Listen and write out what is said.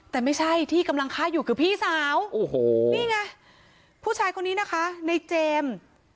แต่ไม่ใช่ที่กำลังฆ่าอยู่คือพี่สาวโอ้โหนี่ไงผู้ชายคนนี้นะคะในเจมส์